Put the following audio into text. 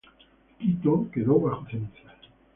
Quito quedó bajo cenizas.